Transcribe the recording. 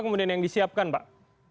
kemudian yang disiapkan pak